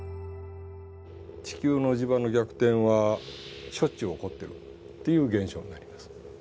地球の磁場の逆転はしょっちゅう起こってるっていう現象になります。